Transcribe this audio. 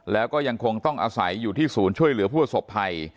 แล้วก็ยังคงต้องอาศัยอยู่ที่ศูนย์ช่วยเหลือผู้สบภัย